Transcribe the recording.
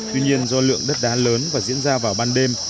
tuy nhiên do lượng đất đá lớn và diễn ra vào ban đêm